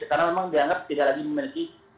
karena memang dianggap tidak lagi memiliki